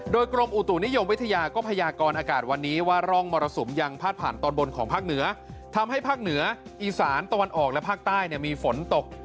โดยกรมอุตุนิยมวิทยาก็พยากรอากาศวันนี้ว่าร่องมรสุมยังพาดผ่านตอนบนของภาคเหนือทำให้ภาคเหนืออีสานตะวันออกและภาคใต้เนี่ยมีฝนตก